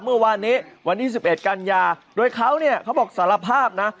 เมื่อวานนี้วันที่๑๑กันยาโดยเขาเนี่ยเขาบอกสารภาพนะ